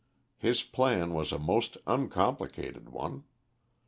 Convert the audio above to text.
His plan was a most uncomplicated one.